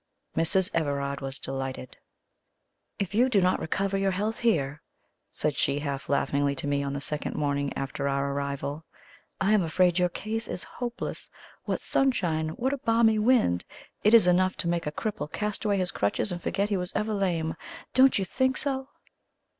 Mrs. Everard was delighted. "If you do not recover your health here," she said half laughingly to me on the second morning after our arrival, "I am afraid your case is hopeless. What sunshine! What a balmy wind! It is enough to make a cripple cast away his crutches and forget he was ever lame. Don't you think so?"